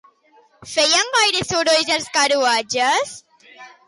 Feien gaire soroll els carruatges?